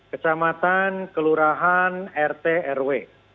kecamatan kelurahan rt rw